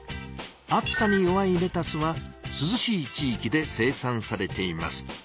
暑さに弱いレタスはすずしい地いきで生産されています。